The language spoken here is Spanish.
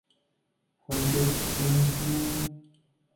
Fuentes Knight.